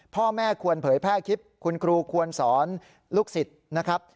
พ่อแม่ควรเผยแพร่คลิปคุณครูควรสอนลูกศิษย์นะครับ